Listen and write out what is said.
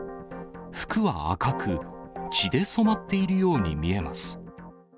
服は赤く、血で染まっているように見えます。